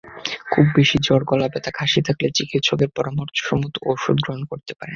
খুব বেশি জ্বর, গলাব্যথা, কাশি থাকলে চিকিৎসকের পরামর্শমতো ওষুধ গ্রহণ করতে পারেন।